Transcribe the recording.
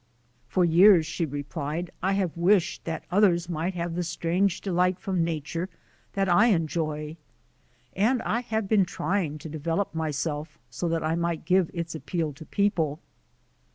"For years," she replied, "I have wished that others might have the strange delight from nature that I enjoy. And I have been trying to develop myself so that I might give its appeal to people."